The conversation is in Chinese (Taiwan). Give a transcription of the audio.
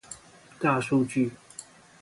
大數據